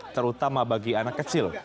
terutama bagi anak kecil